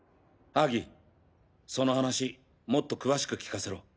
ハギその話もっと詳しく聞かせろ！